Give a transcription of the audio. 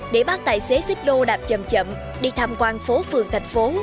để bác tài xế xích lô đạp chậm đi tham quan phố phường thành phố